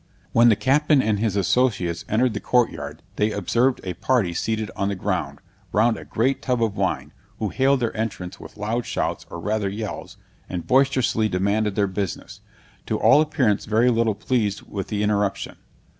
When the captain and his associates entered the courtyard, they observed a party seated on the ground, round a great tub of wine, who hailed their entrance with loud shouts, or rather yells, and boisterously demanded their business; to all appearance very little pleased with the interruption.